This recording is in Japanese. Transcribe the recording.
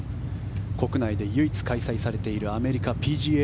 国内で唯一開催されているアメリカＰＧＡ